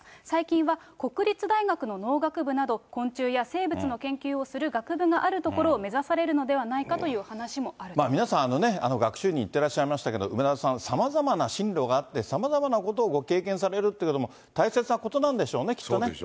最近は国立大学の農学部など、昆虫や生物の研究をする学部があるところを目指されるのではない皆さん、学習院にいってらっしゃいましたけど、梅沢さん、さまざまな進路があって、さまざまなことをご経験されるっていうことですけれども、大切なことなんでしょうね、きっとね。